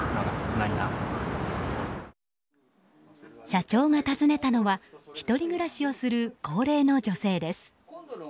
社長が訪ねたのは１人暮らしをする高齢の女性です。